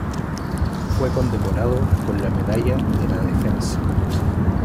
Fue condecorado con la Medalla de la Defensa.